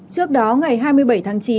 trước đó ngày hai mươi bảy tháng chín